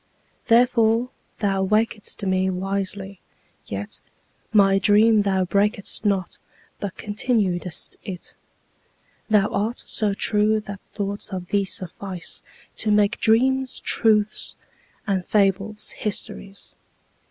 Therefore thou waked'st me wisely; yetMy dream thou brak'st not, but continued'st it:Thou art so true that thoughts of thee sufficeTo make dreams truths and fables histories.